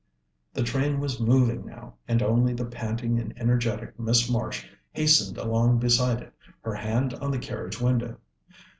The train was moving now, and only the panting and energetic Miss Marsh hastened along beside it, her hand on the carriage window.